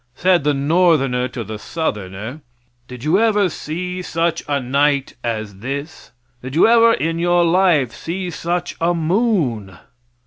Said the Northerner to the Southerner, "Did you ever see such a night as this; did you ever in your life see such a moon?"